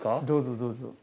どうぞどうぞ。